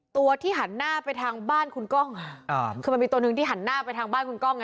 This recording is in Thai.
ตัวที่หันหน้าไปทางบ้านคุณกล้องคือมันมีตัวหนึ่งที่หันหน้าไปทางบ้านคุณกล้องอ่ะ